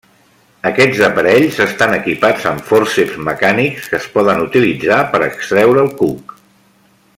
Aquests aparells estan equipats amb fòrceps mecànics que es poden utilitzar per extreure el cuc.